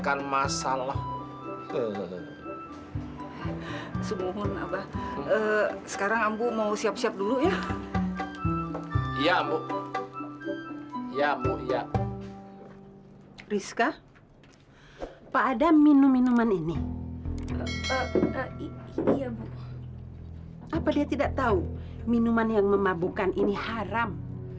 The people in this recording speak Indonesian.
apa dia tidak tahu minuman yang memabukkan ini haram